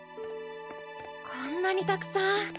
こんなにたくさん。